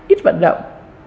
ít vận động